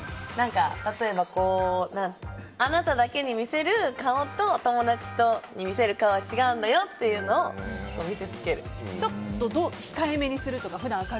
例えば、あなただけに見せる顔と友達とに見せる顔は違うんだよっていうのをちょっと控え目にするとか？